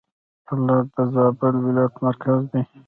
کلات د زابل ولایت مرکز دی.